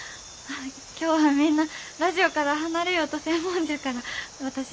今日はみんなラジオから離れようとせんもんじゃから私が。